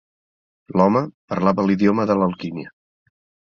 L'home parlava l'idioma de l'alquímia.